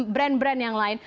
brand brand yang lain